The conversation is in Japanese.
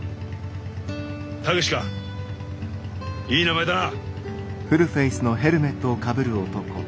武志かいい名前だな。